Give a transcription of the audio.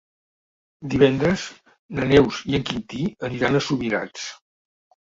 Divendres na Neus i en Quintí aniran a Subirats.